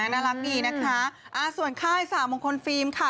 น่ารักดีนะคะส่วนค่ายสาวมงคลฟิล์มค่ะ